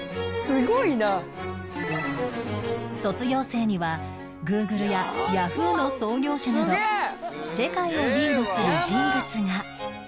卒業生には Ｇｏｏｇｌｅ や Ｙａｈｏｏ！ の創業者など世界をリードする人物が